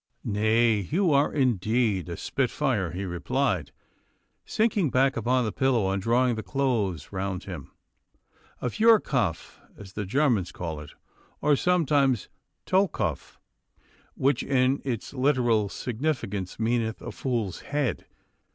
'Nay, you are indeed a spitfire,' he replied, sinking back upon the pillow, and drawing the clothes round him, 'a feuerkopf as the Germans call it, or sometimes tollkopf, which in its literal significance meaneth a fool's head.